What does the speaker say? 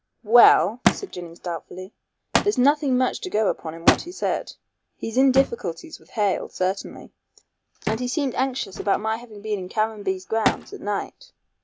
"Well," said Jennings doubtfully, "there's nothing much to go upon in what he said. He's in difficulties with Hale certainly " "And he seemed anxious about my having been in Caranby's grounds at night."